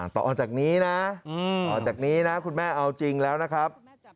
ต่อจากนี้นะต่อจากนี้นะคุณแม่เอาจริงแล้วนะครับ